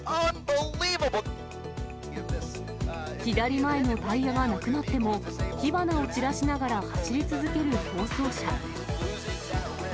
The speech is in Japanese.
左前のタイヤがなくなっても、火花を散らしながら走り続ける逃走車。